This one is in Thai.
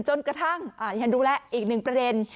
จนกระทั่งอย่างนี้รู้แล้วอีกหนึ่งประเด็น